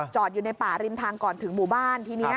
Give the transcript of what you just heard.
อยู่ในป่าริมทางก่อนถึงหมู่บ้านทีนี้